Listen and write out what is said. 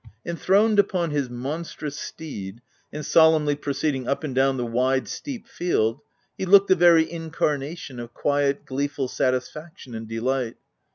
Enthroned upon his monstrous steed, and solemnly proceeding up and down the wide, steep field, he looked the very incarnation of quiet, gleeful satisfaction and delight.